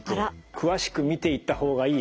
詳しく見ていった方がいい。